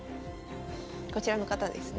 こちらの方ですね。